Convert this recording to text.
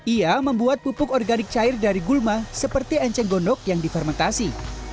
ia membuat pupuk organik cair dari gulma seperti enceng gondok yang difermentasi